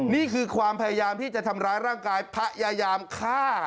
นี่คือความพยายามที่จะทำร้ายร่างกายพยายามฆ่า